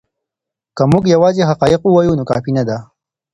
که موږ یوازې حقایق ووایو نو کافی نه دی.